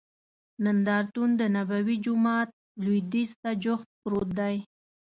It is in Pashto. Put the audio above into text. نندارتون دنبوي جومات لوید یځ ته جوخت پروت دی.